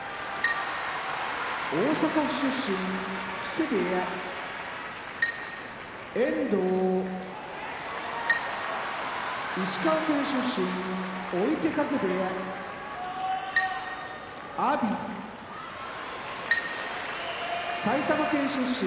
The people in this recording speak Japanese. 大阪府出身木瀬部屋遠藤石川県出身追手風部屋阿炎埼玉県出身